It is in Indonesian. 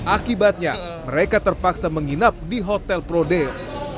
akibatnya mereka terpaksa menginap di hotel prodeo